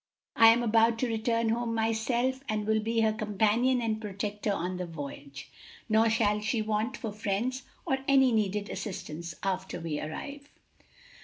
I am about to return home myself, and will be her companion and protector on the voyage. Nor shall she want for friends or any needed assistance after we arrive."